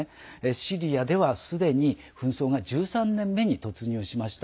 シリアではすでに紛争が１３年目に突入しました。